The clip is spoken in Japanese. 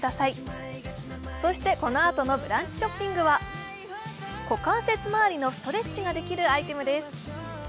そしてこのあとの「ブランチショッピング」は股関節周りのストレッチができるアイテムです。